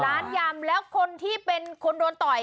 ยำแล้วคนที่เป็นคนโดนต่อย